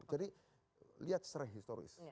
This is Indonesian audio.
jadi lihat serai historis